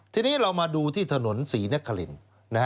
ทีนี้เรามาดูที่ถนนศรีนครินทร์